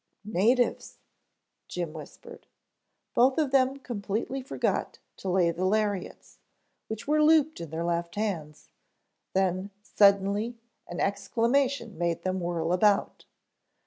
"Natives," Jim whispered. Both of them completely forgot to lay the lariats, which were looped in their left hands, then suddenly an exclamation made them whirl about.